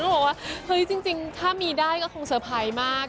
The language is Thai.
แล้วมันบอกว่าจริงถ้ามีได้ก็คงเซอร์ไพรส์มาก